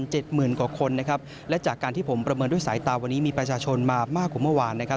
เจ็ดหมื่นกว่าคนนะครับและจากการที่ผมประเมินด้วยสายตาวันนี้มีประชาชนมามากกว่าเมื่อวานนะครับ